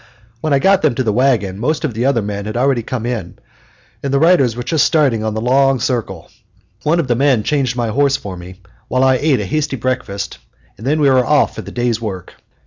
When I got them to the wagon, most of the other men had already come in and the riders were just starting on the long circle. One of the men changed my horse for me while I ate a hasty breakfast, and then we were off for the day's work.